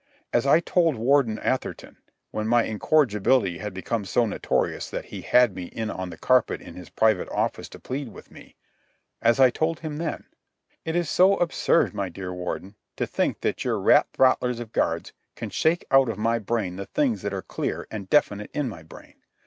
As I told Warden Atherton, when my incorrigibility had become so notorious that he had me in on the carpet in his private office to plead with me; as I told him then: "It is so absurd, my dear Warden, to think that your rat throttlers of guards can shake out of my brain the things that are clear and definite in my brain.